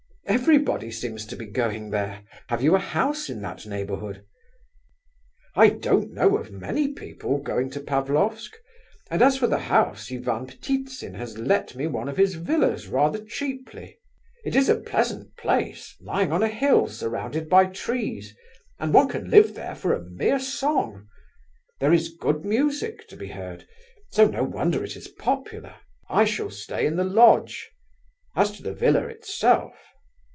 "Everybody seems to be going there. Have you a house in that neighbourhood?" "I don't know of many people going to Pavlofsk, and as for the house, Ivan Ptitsin has let me one of his villas rather cheaply. It is a pleasant place, lying on a hill surrounded by trees, and one can live there for a mere song. There is good music to be heard, so no wonder it is popular. I shall stay in the lodge. As to the villa itself..."